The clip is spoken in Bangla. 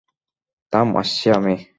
থাম আসছি আমি।